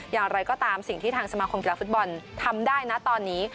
อย่างไรก็ตามสิ่งที่ทางสมาคมกีฬาฟุตบอลทำได้นะตอนนี้